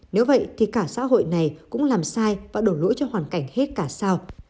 nếu vậy thì cả xã hội này cũng làm sai và đổ lỗi cho hoàn cảnh hết cả sao